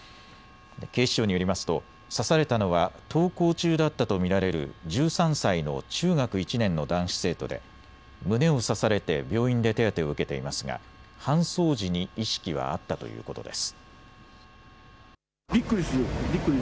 警視庁によりますと刺されたのは登校中だったと見られる１３歳の中学１年の男子生徒で胸を刺されて病院で手当てを受けていますが搬送時に意識はあったということです。